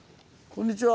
こんにちは。